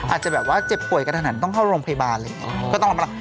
อาจจะแบบว่าเจ็บป่วยกระทันต้องเข้าโรงพยาบาลเลย